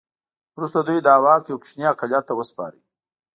وروسته دوی دا واک یو کوچني اقلیت ته وسپاره.